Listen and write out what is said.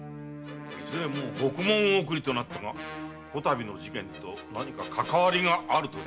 いずれも獄門送りとなったが此度の事件とかかわりがあると？